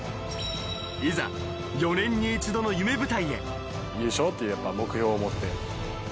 いざ、４年に一度の夢舞台へ。